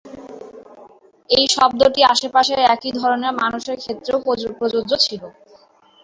এই শব্দটি আশেপাশের একই ধরনের মানুষের ক্ষেত্রেও প্রযোজ্য ছিল।